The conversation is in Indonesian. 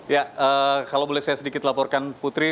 ya kalau boleh saya sedikit laporkan putri